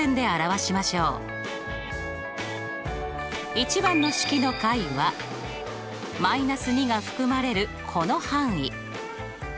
１番の式の解は−２が含まれるこの範囲。